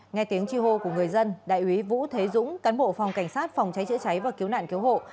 nghe tiếng chi hô của người dân đại úy vũ thế dũng cán bộ phòng cảnh sát phòng cháy chữa cháy và cứu nạn cứu hộ